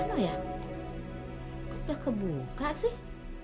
kok udah kebuka sih